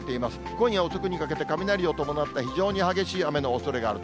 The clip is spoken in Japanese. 今夜遅くにかけて、雷を伴った非常に激しい雨のおそれがある。